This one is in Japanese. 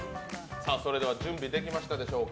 それでは準備できましたでしょうか。